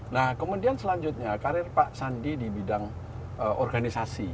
nah kemudian selanjutnya karir pak sandi di bidang organisasi